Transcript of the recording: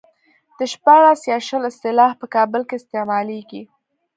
د شپاړس يا شل اصطلاح په کابل کې استعمالېږي.